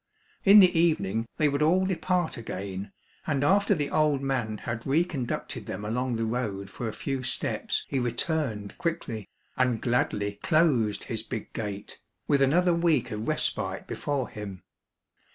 In the evening they would all depart again, and after the old man had reconducted them along the road for a few steps he returned quickly, and gladly closed his big gate, with another week of respite before him.